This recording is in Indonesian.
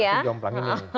nggak sejomplang ini